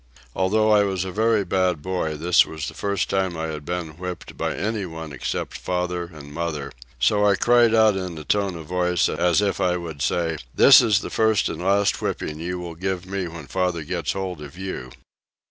Although I was a very bad boy, this was the first time I had been whipped by any one except father and mother, so I cried out in a tone of voice as if I would say, this is the first and last whipping you will give me when father gets hold of you.